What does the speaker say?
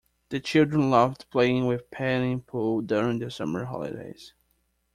The children loved playing in the paddling pool during the summer holidays